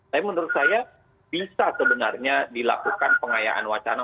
tapi menurut saya bisa sebenarnya dilakukan pengayaan wacana